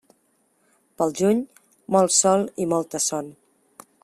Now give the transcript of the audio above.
Pel juny, molt sol i molta son.